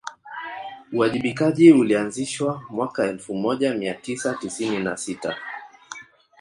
uwajibikaji ulianzishwa mwaka elfu moja mia tisa tisini na sita